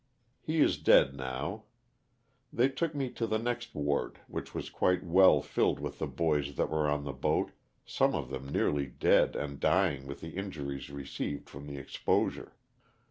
'' He is dead now. They took me to the next ward which was quite well filled with the boys that were on the boat, some of them nearly dead and dying with the injuries received from the exposure.